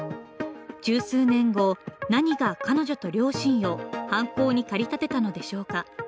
十数年後、何が彼女と両親を犯行に駆り立てたのでしょうか。